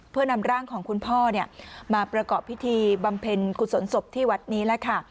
เพื่อนำร่างของคุณพ่อมาประกอบพิธีบำเพ็ญกุศลศพที่วัดนี้แล้วค่ะ